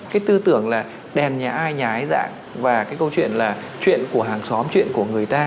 cái tư tưởng là đèn nhả ai nhái dạng và cái câu chuyện là chuyện của hàng xóm chuyện của người ta